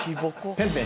ペンペン。